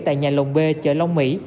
tại nhà lồng b chợ long mỹ